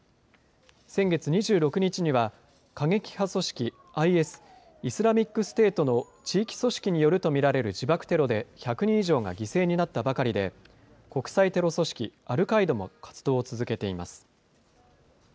先月２６日には、過激派組織ＩＳ・イスラミックステートの地域組織によると見られる自爆テロで１００人以上が犠牲になったばかりで、国際テロ組織アルカイダも活動を続けています。